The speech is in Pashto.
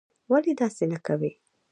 ولي داسې نه کوې?